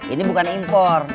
ini bukan impor